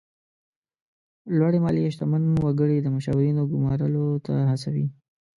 لوړې مالیې شتمن وګړي د مشاورینو ګمارلو ته هڅوي.